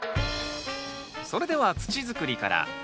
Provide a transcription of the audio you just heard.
それでは土づくりから。